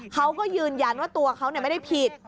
เขาก็ยืนยันว่าตัวเขาไม่ได้ผิด